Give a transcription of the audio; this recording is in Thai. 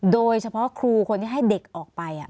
โดยเฉพาะครูคนที่ให้เด็กออกไป